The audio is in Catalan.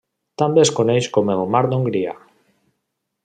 També es coneix com el mar d'Hongria.